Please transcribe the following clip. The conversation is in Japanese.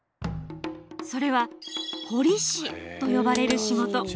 それは彫師と呼ばれる仕事。